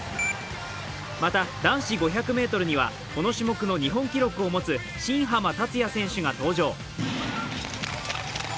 また、男子５００ｍには、この種目の日本記録を持つ新濱立也選手が登場。